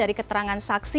dari keterangan saksi